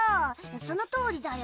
そのとおりだよ。